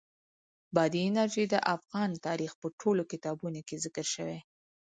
بادي انرژي د افغان تاریخ په ټولو کتابونو کې ذکر شوې.